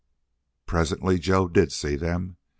Presently Joe did see them.